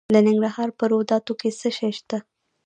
د ننګرهار په روداتو کې څه شی شته؟